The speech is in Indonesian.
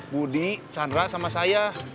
budi chandra sama saya